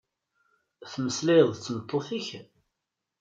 Tmeslayeḍ d tmeṭṭut-ik?